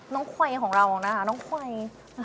ไขวของเรานะคะน้องไคว